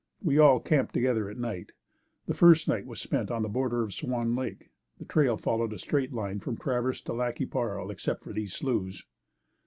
We all camped together at night. The first night was spent on the border of Swan Lake. The trail followed a straight line from Traverse to Lac qui Parle, except for these sloughs.